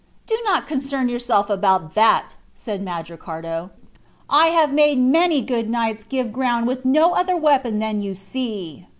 "Do not concern yourself about that," said Mandricardo; "I have made many good knights give ground with no other weapon than you see.